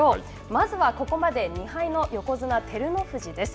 まずはここまで２敗の横綱・照ノ富士です。